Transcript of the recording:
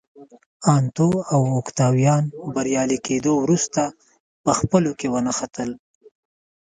انتو او اوکتاویان بریالي کېدو وروسته په خپلو کې ونښتل